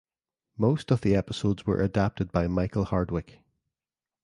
Most of the episodes were adapted by Michael Hardwick.